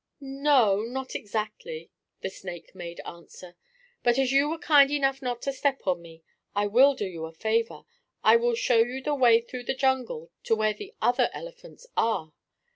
"No, not exactly," the snake made answer. "But, as you were kind enough not to step on me, I will do you a favor. I will show you the way through the jungle to where the other elephants are.